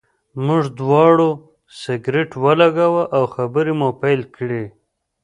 موږ دواړو سګرټ ولګاوه او خبرې مو پیل کړې.